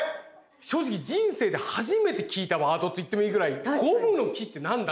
正直人生で初めて聞いたワードと言ってもいいぐらい「ゴムの木って何だ？」